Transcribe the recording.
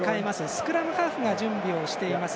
スクラムハーフが準備しています。